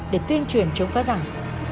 để tuyên truyền chống phá rằng